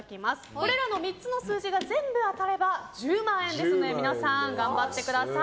これらの３つの数字が全部当たれば１０万円ですので皆さん頑張ってください。